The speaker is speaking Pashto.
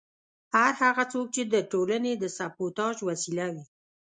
هر هغه حرکت چې د ټولنې د سبوټاژ وسیله وي.